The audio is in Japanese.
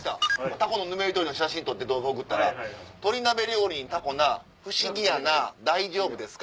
タコのぬめり取れたん撮って動画送ったら「鶏鍋料理にタコな不思議やな大丈夫ですか？」